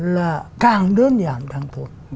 là càng đơn giản càng tốt